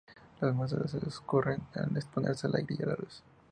Las muestras se oscurecen al exponerse al aire y a la luz.